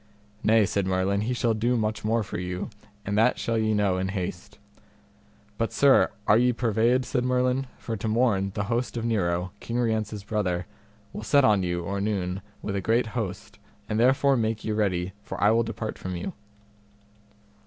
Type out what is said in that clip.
Nay, said Merlin, he shall do much more for you, and that shall ye know in haste. But, sir, are ye purveyed, said Merlin, for to morn the host of Nero, King Rience's brother, will set on you or noon with a great host, and therefore make you ready, for I will depart from you.